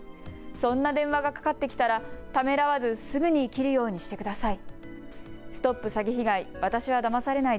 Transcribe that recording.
そんな電話がかかってきたらためらわずすぐに切るようにしてください。